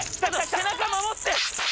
背中守って！